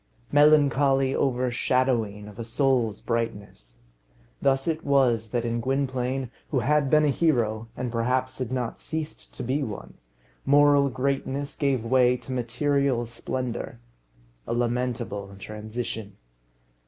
Melancholy overshadowing of a soul's brightness! Thus it was that in Gwynplaine, who had been a hero, and perhaps had not ceased to be one, moral greatness gave way to material splendour. A lamentable transition!